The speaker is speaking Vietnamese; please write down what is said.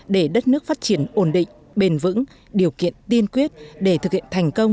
để đất nước phát triển ổn định bền vững điều kiện tiên quyết để thực hiện thành công